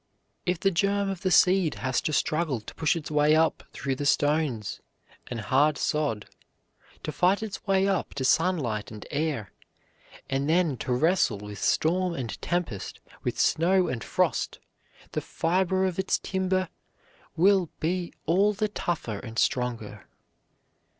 If the germ of the seed has to struggle to push its way up through the stones and hard sod, to fight its way up to sunlight and air, and then to wrestle with storm and tempest, with snow and frost, the fiber of its timber will be all the tougher and stronger.